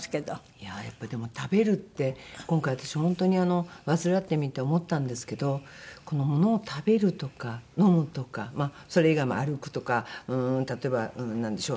いややっぱりでも食べるって今回私本当に患ってみて思ったんですけどものを食べるとか飲むとかそれ以外も歩くとか例えばなんでしょう？